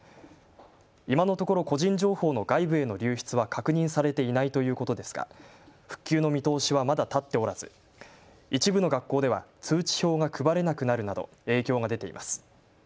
今のところ個人情報の外部への流失は確認されていないということですが復旧の見通しはまだ立っておらず一部の学校では通知表が配れなくなるなど影響が出ています。